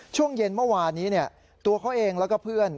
ช่วงเย็นเมื่อวานนี้ตัวเขาเองแล้วก็เพื่อน